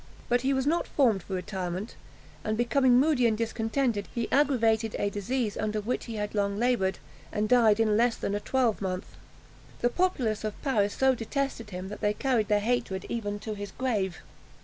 But he was not formed for retirement; and becoming moody and discontented, he aggravated a disease under which he had long laboured, and died in less than a twelve month. The populace of Paris so detested him, that they carried their hatred even to his grave.